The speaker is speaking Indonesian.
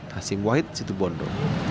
hasim wahid situ bondo